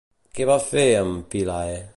Què va fer amb Philae?